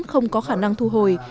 không có khả năng thu hồi